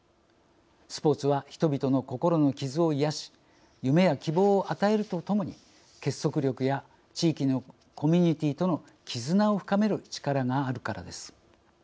スポーツは人々の心の傷を癒やし夢や希望を与えるとともに結束力や地域のコミュニティーとの絆を深める力があるからです。